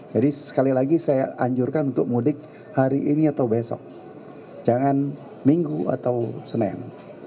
sekali lagi saya anjurkan untuk mudik hari ini atau besok jangan minggu atau senin